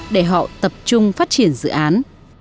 để họ tập trung phát triển dự án